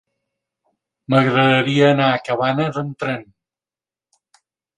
M'agradaria anar a Cabanes amb tren.